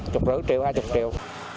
chục rưỡi triệu hai mươi triệu